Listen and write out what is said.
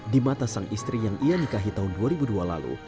di mata sang istri yang ia nikahi tahun dua ribu dua lalu